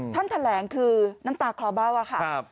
ท่านแถลงคือน้ำตาคลอเบ้าค่ะ